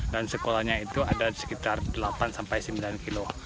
dan sekolahnya itu ada sekitar delapan sampai sembilan kilo